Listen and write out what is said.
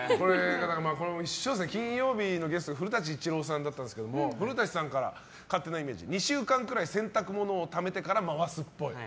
一緒ですね、金曜日のゲスト古舘伊知郎さんだったんですけど古舘さんから勝手なイメージ２週間くらい洗濯物をためてから回すっぽい。